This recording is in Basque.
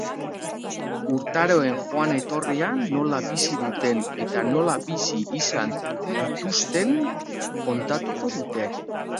Urtaroen joan etorria nola bizi duten eta nola bizi izan dituzten kontatuko dute.